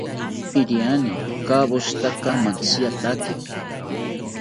Iriani ikawoshitaka mantziataki